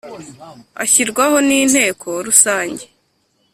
ashyirwaho n Inteko Rusange